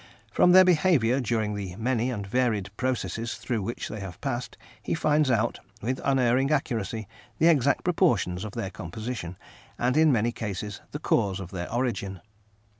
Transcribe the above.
From their behaviour during the many and varied processes through which they have passed he finds out, with unerring accuracy, the exact proportions of their composition, and, in many cases, the cause of their origin.